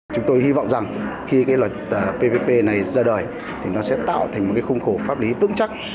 chúng tôi hy vọng rằng khi loại ppp này ra đời nó sẽ tạo thành một khung khổ pháp lý tương chắc